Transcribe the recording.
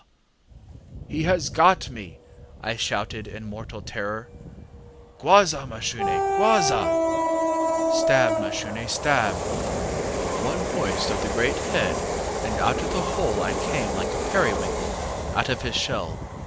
ŌĆ£ŌĆśHe has got me! ŌĆÖ I shouted in mortal terror. ŌĆś_Gwasa, Mashune, gwasa!_ŌĆÖ [ŌĆśStab, Mashune, stab! ŌĆÖ). ŌĆ£One hoist of the great head, and out of the hole I came like a periwinkle out of his shell.